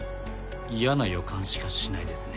嫌な予感しかしないですね。